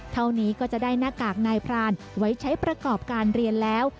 เท่านี้ก็จะได้หน้ากากนายพรานไว้ใช้ประกอบการเรียนแล้ว